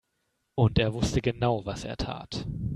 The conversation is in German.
Und er wusste genau, was er tat.